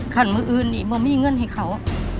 คันมืออื่นนี่เมื่อมีเงินให้เขา